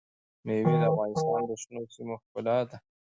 مېوې د افغانستان د شنو سیمو ښکلا ده.